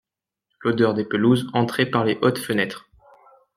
L'odeur des pelouses entrait par les hautes fenêtres.